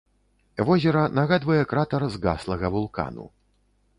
Возера нагадвае кратар згаслага вулкану.